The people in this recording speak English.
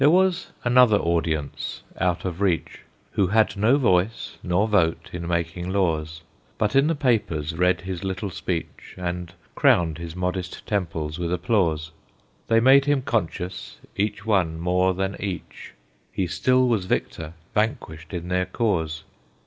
There was another audience out of reach, Who had no voice nor vote in making laws, But in the papers read his little speech, And crowned his modest temples with applause; They made him conscious, each one more than each, He still was victor, vanquished in their cause.